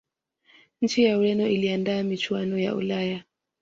nchi ya ureno iliandaa michuano ya ulaya